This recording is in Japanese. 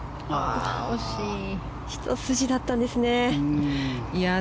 ひと筋だったんですね。